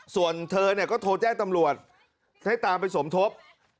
ส่วนเธอเนี่ยก็โทรแจ้งตำรวจให้ตามไปสมทบ